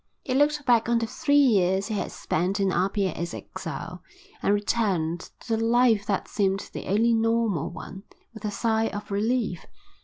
He looked back on the three years he had spent in Apia as exile, and returned to the life that seemed the only normal one with a sigh of relief.